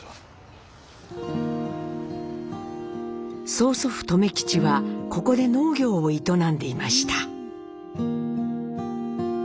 曽祖父・留吉はここで農業を営んでいました。